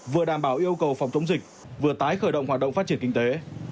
vừa đảm bảo yêu cầu phòng chống dịch vừa tái khởi động hoạt động phát triển kinh tế